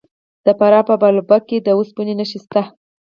د فراه په بالابلوک کې د وسپنې نښې شته.